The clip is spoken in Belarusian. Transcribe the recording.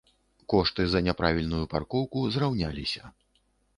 Кошты за няправільную паркоўку зраўняліся.